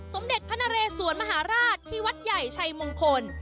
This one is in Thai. สมเด็จพระนเรสวนมหาราชที่วัดใหญ่ชัยมงคล